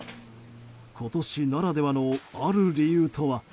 今年ならではの、ある理由とは？